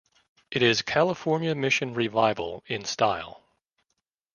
It is California Mission Revival in style.